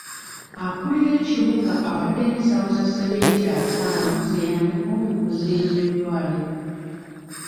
Akuulira ekibuga awaddeyo ensawo za seminti ataano ziyambeko mu kuzimba eddwaliro .